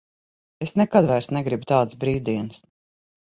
Es nekad vairs negribu tādas brīvdienas.